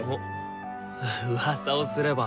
うわさをすれば。